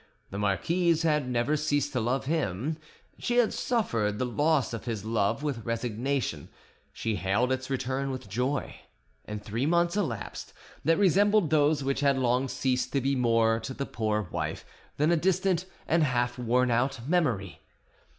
The marquise had never ceased to love him; she had suffered the loss of his love with resignation, she hailed its return with joy, and three months elapsed that resembled those which had long ceased to be more to the poor wife than a distant and half worn out memory.